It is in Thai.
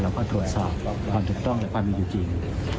แล้วก็ตรวจสอบความถูกต้องและความมีอยู่จริง